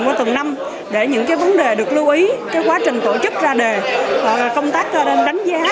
của từng năm để những vấn đề được lưu ý cái quá trình tổ chức ra đề công tác đánh giá